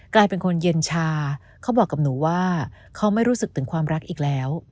กลายเป็นคนเย็นชาเขาบอกกับหนูว่าเขาไม่รู้สึกถึงความรักอีกแล้ว